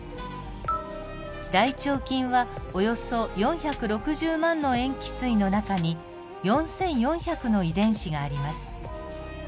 大腸菌はおよそ４６０万の塩基対の中に４，４００の遺伝子があります。